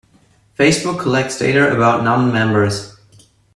Facebook collects data about non-members.